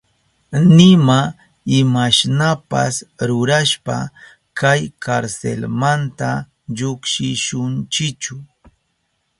Nima imashnapas rurashpa kay karselmanta llukshishunchichu.